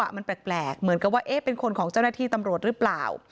มันแปลกเหมือนกับว่าเป็นคนของเจ้าหน้าที่ตำรวจหรือเปล่า